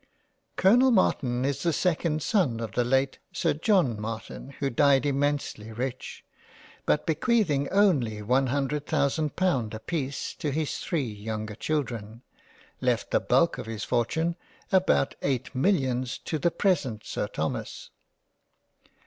Col: Martin is the second son of the late Sir John Martin who died immensely rich, but bequeathing only one hundred thousand pound apeice to his three younger Children, left the bulk of his for tune, about eight Million to the present Sir Thomas.